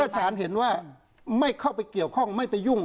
สารเห็นว่าไม่เข้าไปเกี่ยวข้องไม่ไปยุ่ง